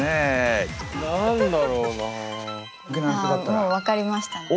あもう分かりましたね。